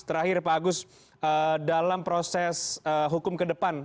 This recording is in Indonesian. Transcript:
terakhir pak agus dalam proses hukum kedepan